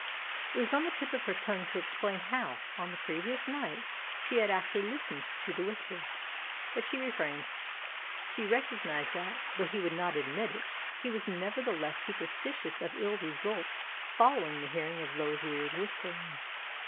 It was on the tip of her tongue to explain how, on the previous night, she had actually listened to the Whispers. But she refrained. She recognised that, though he would not admit it, he was nevertheless superstitious of ill results following the hearing of those weird whisperings.